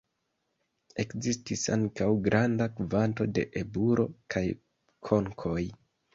Ekzistis ankaŭ granda kvanto de eburo kaj konkoj.